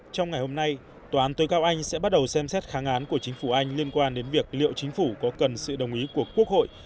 trong ngày hôm nay tòa án tối cao anh sẽ bắt đầu xem xét kháng án của chính phủ anh liên quan đến việc liệu chính phủ có cần sự đồng ý của quốc hội